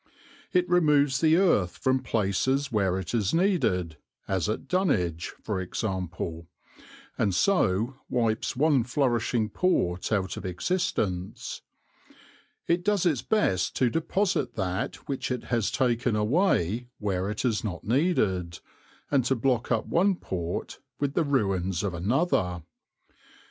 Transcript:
It removes the earth from places where it is needed, as at Dunwich for example, and so wipes one flourishing port out of existence: it does its best to deposit that which it has taken away where it is not needed, and to block up one port with the ruins of another.